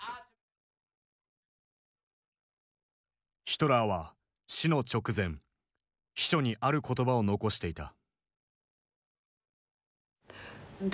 ヒトラーは死の直前秘書にある言葉を遺していた。